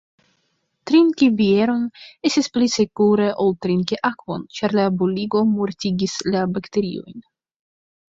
Trinki bieron estis pli sekure ol trinki akvon, ĉar la boligo mortigis la bakteriojn.